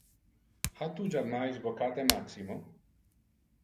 Ha tu jammais vocate Maximo?